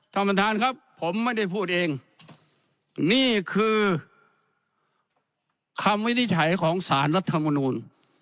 ท่านประธานครับผมไม่ได้พูดเองนี่คือคำวินิจฉัยของสารรัฐมนูล